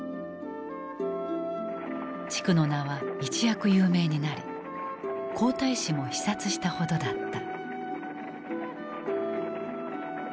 地区の名は一躍有名になり皇太子も視察したほどだった。